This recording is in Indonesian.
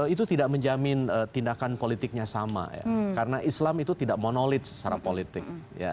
itu tidak menjamin tindakan politiknya sama ya karena islam itu tidak monolid secara politik